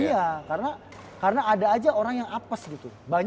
iya karena ada aja orang yang apes gitu